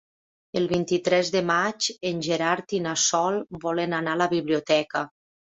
El vint-i-tres de maig en Gerard i na Sol volen anar a la biblioteca.